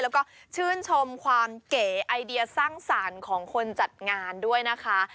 แล้วก็ชื่นชมความเก๋ไอเดียสร้างสรรค์ของคนจัดงานด้วยนะคะ